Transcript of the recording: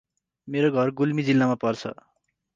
मेरो घर गुल्मी जिल्लामा पर्छ